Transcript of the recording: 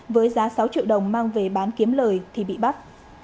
với giá sáu triệu đồng mang về bán kiếm lời thì bị bắt